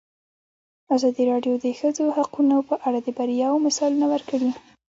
ازادي راډیو د د ښځو حقونه په اړه د بریاوو مثالونه ورکړي.